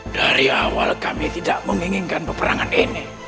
dari awal kami tidak menginginkan peperangan ini